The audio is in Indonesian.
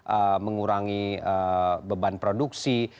eee mengurangi beban produksi